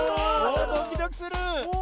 ドキドキする！